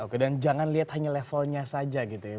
oke dan jangan lihat hanya levelnya saja gitu ya